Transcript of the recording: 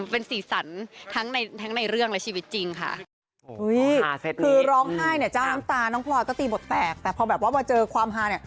เป็นสี่สรรทั้งในเรื่องและชีวิตจริงค่ะ